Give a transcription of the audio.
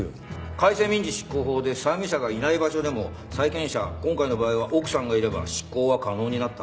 改正民事執行法で債務者がいない場所でも債権者今回の場合は奥さんがいれば執行は可能になった。